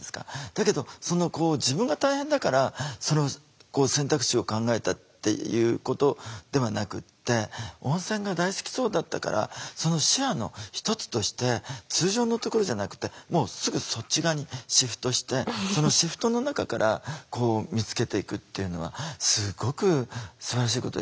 だけど自分が大変だからそれを選択肢を考えたっていうことではなくって温泉が大好きそうだったからその視野の一つとして通常のところじゃなくてもうすぐそっち側にシフトしてそのシフトの中からこう見つけていくっていうのはすごくすばらしいことですよね。